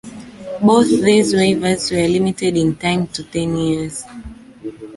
Both these waivers were limited in time to ten years.